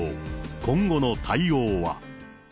今後の対応は。